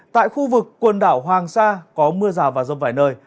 tại khu vực quần đảo hoàng sa có mưa rào và rông vài nơi